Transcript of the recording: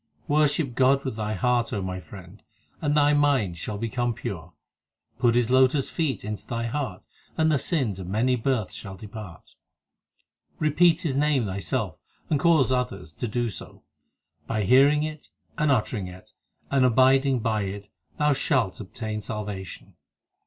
Worship God with thy heart, O my friend, And thy mind shall become pure ; Put His lotus feet into thy heart, And the sins of many births shall depart ; Repeat His name thyself and cause others to do so ; By hearing it, and uttering it, and abiding by it thou shalt obtain salvation.